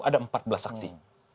ada empat belas saksi